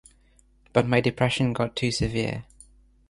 But my depression got too severe.